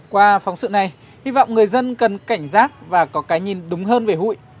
qua phóng sự này hy vọng người dân cần cảnh giác và có cái nhìn đúng hơn về hụi